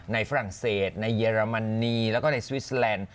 ในฝรั่งเศสในเยรมนีแล้วในสวิสแลนด์